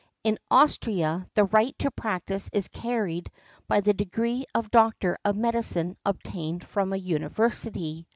In Austria, the |45| right to practise is carried by the degree of doctor of medicine obtained from a university .